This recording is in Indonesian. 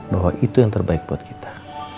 bahwa itu yang terbaik buat kita